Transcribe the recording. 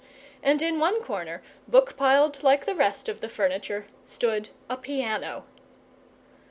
And in one corner, book piled like the rest of the furniture, stood a piano.